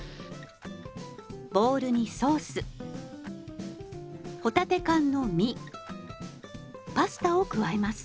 ボウルにソース帆立て缶の身パスタを加えます。